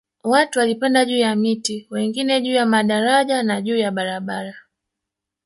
Watu walipanda juu ya miti wengine juu ya madaraja na juu ya barabara